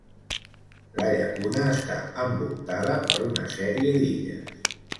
La llacuna està envoltada per una sèrie d'illes.